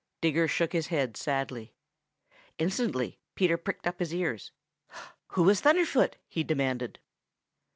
Digger shook his head sadly. Instantly Peter pricked up his ears. "Who was Thunderfoot?" he demanded.